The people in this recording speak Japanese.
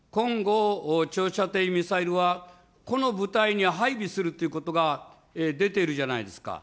今後、長射程ミサイルは、この部隊に配備するということが出てるじゃないですか。